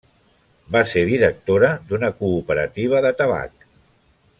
Va ser directora d'una cooperativa de tabac.